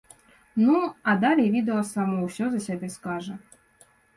Ну, а далей відэа само ўсё за сябе скажа.